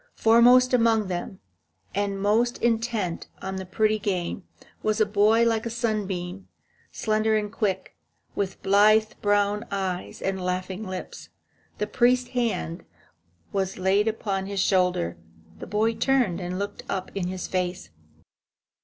Foremost among them, and most intent on the pretty game, was a boy like a sunbeam, slender and quick, with blithe brown eyes and laughing lips. The priest's hand was laid upon his shoulder. The boy turned and looked up in his face.